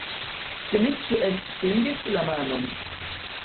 Dmiĉjo eksvingis la manon.